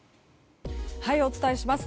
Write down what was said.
お伝えします。